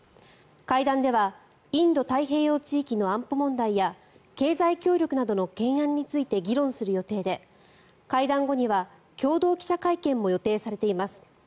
会談では、インド太平洋地域の安保問題や経済協力などの懸案について議論する予定で会談後には共同記者会見も予定されています。